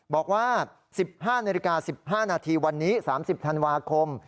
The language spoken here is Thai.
บอกว่า๑๕นาฬิกา๑๕นาทีวันนี้๓๐ธันวาคม